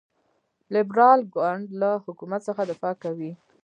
لیبرال ګوند له حکومت څخه دفاع کوي.